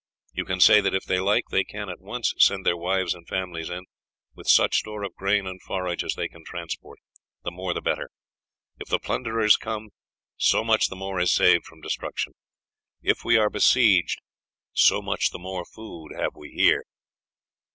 You can say that if they like they can at once send their wives and families in, with such store of grain and forage as they can transport; the more the better. If the plunderers come, so much the more is saved from destruction; if we are besieged, so much the more food have we here.